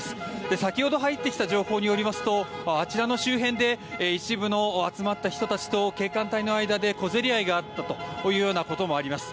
先ほど入ってきた情報によりますとあちらの周辺で一部の集まった人たちと警官隊の間で小競り合いがあったということもあります。